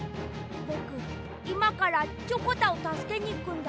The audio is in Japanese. ぼくいまからチョコタをたすけにいくんだ。